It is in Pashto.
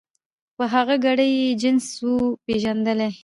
په هغه ګړي یې جنس وو پیژندلی